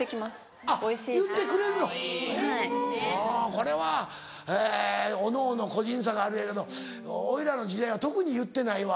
これはおのおの個人差があるやろうけどおいらの時代は特に言ってないわ。